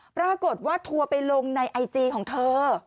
ปรากฏว่าทัวร์ไปลงในไอจีของเธอ